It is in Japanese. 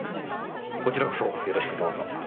こちらこそよろしくどうぞ。